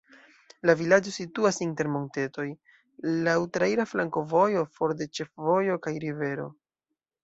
La vilaĝo situas inter montetoj, laŭ traira flankovojo, for de ĉefvojo kaj rivero.